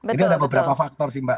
jadi ada beberapa faktor sih mbak